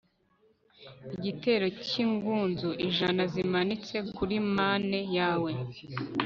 igitero cyingunzu ijana zimanitse kuri mane yawe